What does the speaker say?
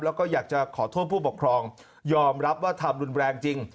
แล้วก็อยากจะขอโทษผู้ปกครองยอมรับว่าทำรุนแรงจริง